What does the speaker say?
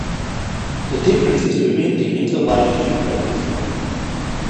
The difference is within the interlayer shift vectors only.